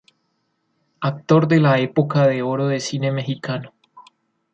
Actor de la Época de Oro de Cine Mexicano.